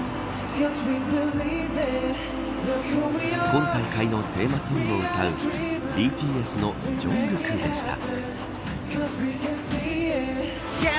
今大会のテーマソングを歌うＢＴＳのジョングクでした。